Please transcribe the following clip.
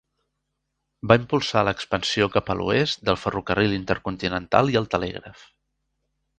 Va impulsar l'expansió cap a l'oest del ferrocarril intercontinental i el telègraf.